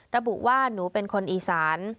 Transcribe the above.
ระบุว่าหนูเป็นคนอีสาน